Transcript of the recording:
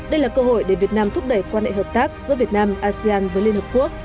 đây là cơ hội để việt nam thúc đẩy quan hệ hợp tác giữa việt nam asean với liên hợp quốc